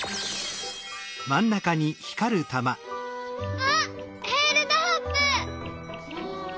あっえーるドロップ！